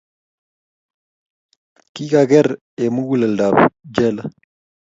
Kikakeker eng muguleldi ab jela.